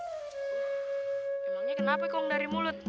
emangnya kenapa kong dari mulut